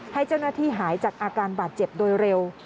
ให้เจ้าหน้าที่หายจากอาการบาดเจ็บโดยเร็ว